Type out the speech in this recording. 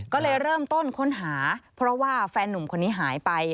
ก็เลยเริ่มต้นค้นหาเพราะว่าแฟนนุ่มคนนี้หายไป